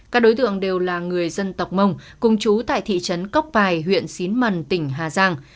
các đối tượng đều là người dân tộc mông cùng chú tại thị trấn cóc pài huyện xín mần tỉnh hà giang